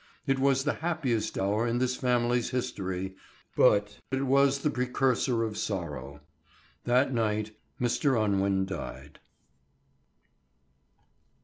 It was the happiest hour in this family's history, but it was the precursor of sorrow. That night Mr. Unwin died.